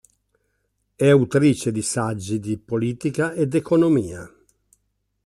È autrice di saggi di politica ed economia.